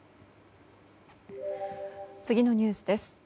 次のニュースです。